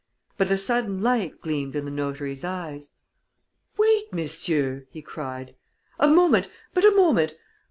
But a sudden light gleamed in the notary's eyes. "Wait, messieurs!" he cried. "A moment. But a moment.